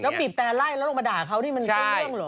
แล้วปีบแตรไล่ลงไปด่าเค้านี่มันเข้นเรื่องหรอ